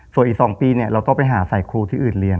ส่วนอีก๒ปีเราต้องไปหาใส่ครูที่อื่นเรียน